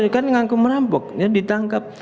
kan ngaku merampok ya ditangkap